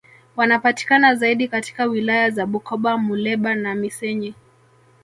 Wanapatikana zaidi katika wilaya za Bukoba Muleba na Missenyi